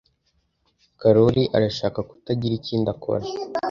Karoli arashaka kutagira ikindi akora.